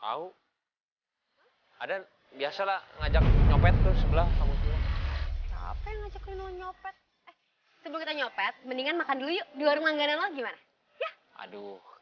sampai jumpa di video selanjutnya